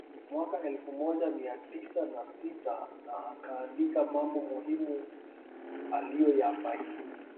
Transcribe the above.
Mwaka elfu moja mia tisa na sita na akaandika mambo muhimu aliyoyabaini